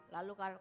lalu kata gus